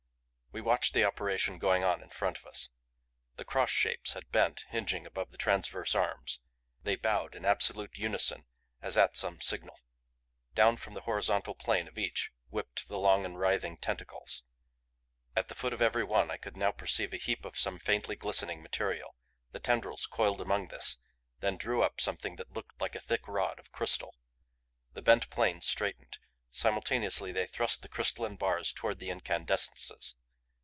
We watched the operation going on in front of us. The cross shapes had bent, hinging above the transverse arms. They bowed in absolute unison as at some signal. Down from the horizontal plane of each whipped the long and writhing tentacles. At the foot of every one I could now perceive a heap of some faintly glistening material. The tendrils coiled among this, then drew up something that looked like a thick rod of crystal. The bent planes straightened; simultaneously they thrust the crystalline bars toward the incandescences.